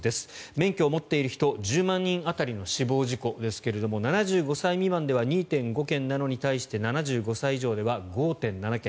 免許を持っている人１０万人当たりの死亡事故ですが７５歳未満では２．５件なのに対して７５歳以上では５．７件。